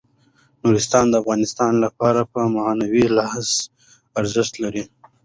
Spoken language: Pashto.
نورستان د افغانانو لپاره په معنوي لحاظ ارزښت لري.